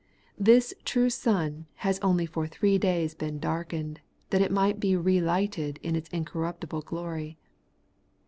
This true Sun has only for three days been darkened, that it might be relighted in its incorruptible glory.